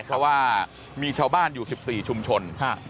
เพราะว่ามีชาวบ้านอยู่๑๔ชุมชน